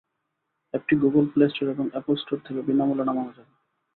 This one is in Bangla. অ্যাপটি গুগল প্লে স্টোর এবং অ্যাপল স্টোর থেকে বিনা মূল্যে নামানো যাবে।